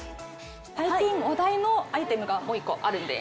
最近話題のアイテムがもう一個あるんです。